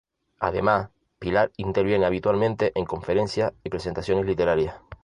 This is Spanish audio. Además, Pilar interviene habitualmente en conferencias y presentaciones literarias.